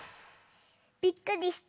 びっくりした？